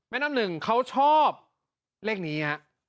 แม่น้ำหนึ่งเขาชอบเลขนี้